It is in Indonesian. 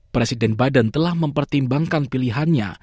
presiden biden telah mempertimbangkan pilihannya